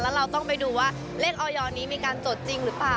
แล้วเราต้องไปดูว่าเลขออยนี้มีการจดจริงหรือเปล่า